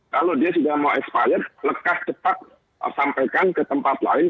kalau dia sudah mau expired lekah cepat sampaikan ke tempat lain